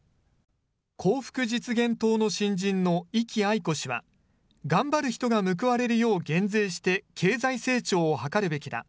幸福実現党の新人の壹岐愛子氏は、頑張る人が報われるよう減税して経済成長を図るべきだ。